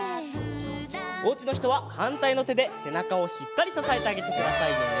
おうちのひとははんたいのてでせなかをしっかりささえてあげてくださいね。